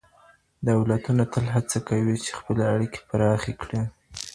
دولتونه تل هڅه کوي چې خپلې اړيکې پراخې کړي.